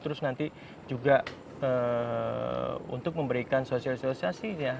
terus nanti juga untuk memberikan sosialisasi ya